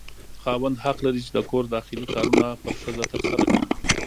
خاوند حق لري چې د کور داخلي کارونه پر ښځه ترسره کړي.